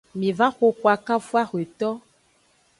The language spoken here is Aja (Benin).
Miva xoxu akafu axweto.